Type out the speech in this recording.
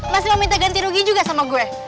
masih mau minta ganti rugi juga sama gue